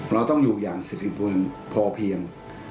เราต้องอยู่อย่างเสร็จจริงพอเพียง